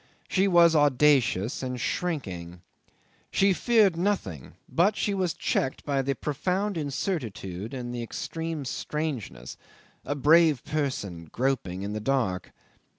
She was audacious and shrinking. She feared nothing, but she was checked by the profound incertitude and the extreme strangeness a brave person groping in the dark.